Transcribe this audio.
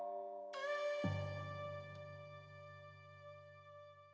ya udah saya pakai baju dulu